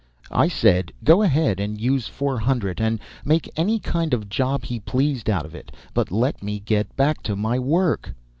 I said, go ahead and use four hundred, and make any kind of a job he pleased out of it, but let me get back to my work.